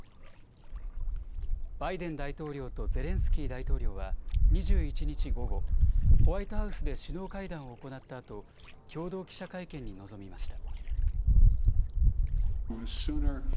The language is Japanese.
バイデン大統領とゼレンスキー大統領は２１日午後、ホワイトハウスで首脳会談を行ったあと共同記者会見に臨みました。